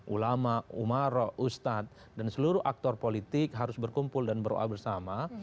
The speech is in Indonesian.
ulama umaro ustadz dan seluruh aktor politik harus berkumpul dan berdoa bersama